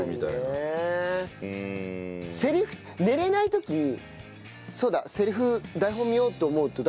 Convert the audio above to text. セリフ寝れない時に「そうだセリフ台本見よう」って思うと。